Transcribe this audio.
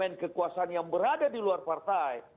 dan kekuasaan yang berada di luar partai